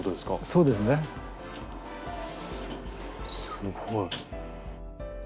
すごい。